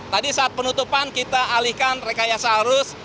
tadi saat penutupan kita alihkan rekaya seharus